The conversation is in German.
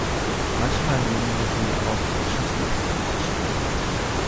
Manchmal nehmen sie auch frisches Obst zu sich.